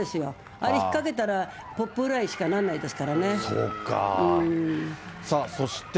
あれ引っかけたら、ポップフライにしかならないですからね。